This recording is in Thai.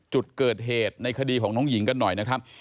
จุดเกิดเหตุในคดีของน้องหญิงกันหน่อยนะครับ